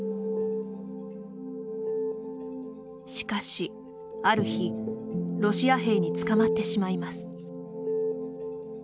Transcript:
しかし、ある日ロシア兵に捕まってしまいます。